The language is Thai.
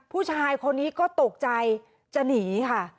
ผู้ชายคนนี้ก็ตกใจจะหนีค่ะ